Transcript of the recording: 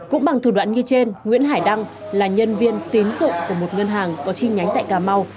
cũng bằng thủ đoạn như trên nguyễn hải đăng là nhân viên tín dụng của một ngân hàng có chi nhánh tại cà mau